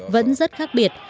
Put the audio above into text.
vẫn rất khác biệt